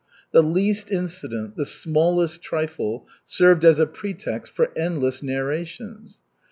The least incident, the smallest trifle, served as a pretext for endless narrations.